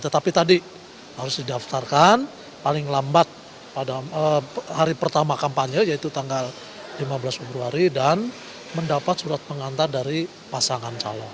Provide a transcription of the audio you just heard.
tetapi tadi harus didaftarkan paling lambat pada hari pertama kampanye yaitu tanggal lima belas februari dan mendapat surat pengantar dari pasangan calon